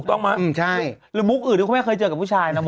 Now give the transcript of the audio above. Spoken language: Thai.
ที่ไม่เคยเจอกับผู้ชายนะ